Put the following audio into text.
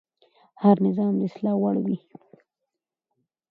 هر نظام د اصلاح وړ وي